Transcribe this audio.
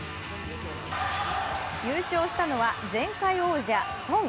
優勝したのは前回王者・孫。